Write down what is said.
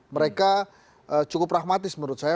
mereka cukup pragmatis menurut saya